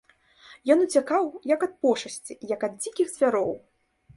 Ён уцякаў, як ад пошасці, як ад дзікіх звяроў.